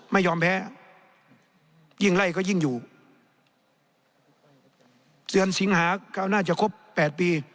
ไม่ยอมแพ้ยิ่งไล่ก็ยิ่งอยู่เดือนสิงหาก็น่าจะครบแปดปี